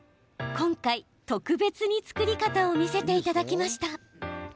今回、特別に作り方を見せていただきました。